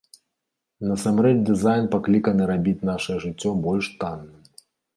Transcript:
Насамрэч дызайн пакліканы рабіць нашае жыццё больш танным.